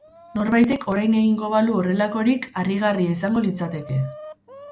Norbaitek orain egingo balu horrelakorik harrigarria izango litzateke.